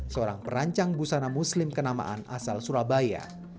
seorang perancang busana muslim kenamaan asal surabaya